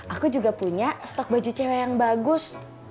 aku juga punya stok baju cewek yang bagus